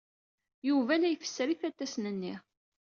Yuba la ifesser ifatasen-nni.